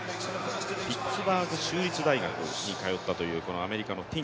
ピッツバーグ州立大学に通ったというアメリカの選手。